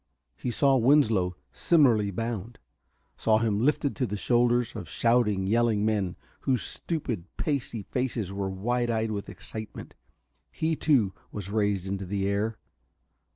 He saw Winslow similarly bound, saw him lifted to the shoulders of shouting, yelling men, whose stupid, pasty faces were wide eyed with excitement. He, too, was raised into the air....